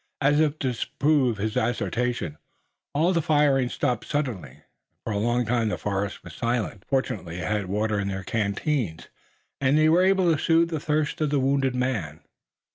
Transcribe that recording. As if to disprove his assertion, all the firing stopped suddenly, and for a long time the forest was silent. Fortunately they had water in their canteens, and they were able to soothe the thirst of the wounded men.